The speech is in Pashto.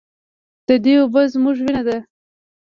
د دې اوبه زموږ وینه ده